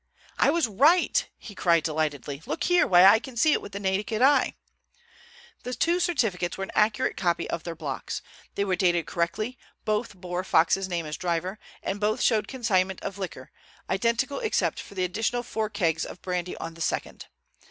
"I was right," he cried delightedly. "Look here! Why I can see it with the naked eye!" The two certificates were an accurate copy of their blocks. They were dated correctly, both bore Fox's name as driver, and both showed consignments of liquor, identical except for the additional four kegs of brandy on the second.